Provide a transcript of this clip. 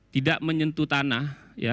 tidak menyentuh tanah